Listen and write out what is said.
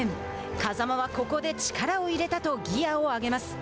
風間はここで「力を入れた」とギアを上げます。